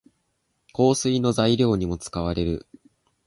香水の材料にも使われる。